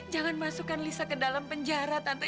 jangan masukkan lisa ke dalam penjara tante